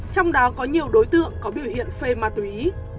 trong đó có nhiều đối tượng có biểu hiện phê ma túy